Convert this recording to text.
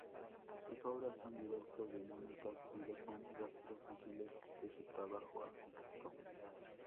Sus obras son directas, dinámicas y dejan rastros visibles de su trabajo artístico.